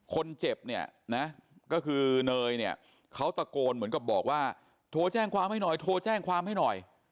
คนเจ็บเนี่ยนะก็คือเนยเนี่ยเขาตะโกนเหมือนกับบอกว่าโทรแจ้งความให้หน่อยโทรแจ้งความให้หน่อย